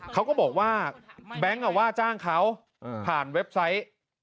เขาก็บอกว่าแบงค์ว่าจ้างเขาผ่านเว็บไซต์